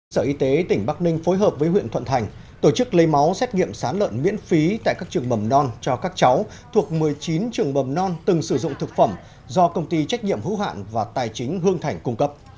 sở y tế tỉnh bắc ninh phối hợp với huyện thuận thành tổ chức lấy máu xét nghiệm sán lợn miễn phí tại các trường mầm non cho các cháu thuộc một mươi chín trường mầm non từng sử dụng thực phẩm do công ty trách nhiệm hữu hạn và tài chính hương thành cung cấp